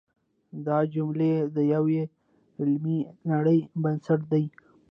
دا جملې د یوې علمي نړۍ بنسټ دی.